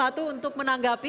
capres satu untuk menanggapi